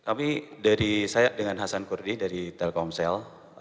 kami dari saya dengan hasan kurdi dari telkomsel